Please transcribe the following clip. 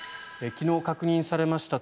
昨日確認されました